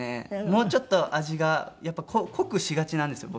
もうちょっと味がやっぱ濃くしがちなんですよ